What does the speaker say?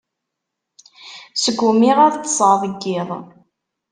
Sgumiɣ ad ṭṭseɣ deg iḍ.